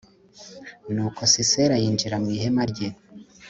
nuko sisera yinjira mu ihema rye